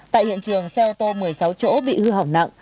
tại hiện trường xe ô tô một mươi sáu chỗ bị hư hỏng nặng